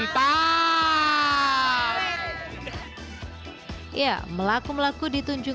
apakah yang melakukan buck o interesting